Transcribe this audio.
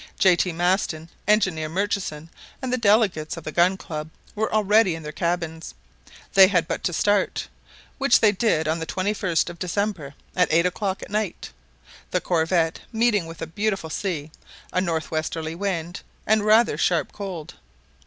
J. T. Maston, Engineer Murchison, and the delegates of the Gun Club, were already in their cabins. They had but to start, which they did on the 21st of December, at eight o'clock at night, the corvette meeting with a beautiful sea, a northeasterly wind, and rather sharp cold.